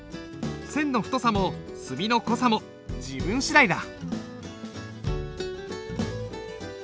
線の太さも墨の濃さも自分次第だ。